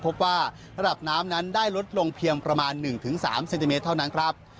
พบว่าระดับน้ำนั้นได้ลดลงเพียงประมาณ๑๓เซนติเมตรเท่านั้นครับ